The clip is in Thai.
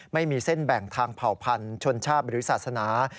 ไม่มีเส้นแบ่งทางเผ่าพันธุ์ชนชาติหรือศาสนา